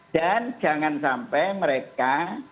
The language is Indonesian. dan jangan sampai mereka